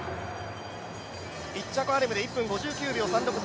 １着アレム１分５９秒３６。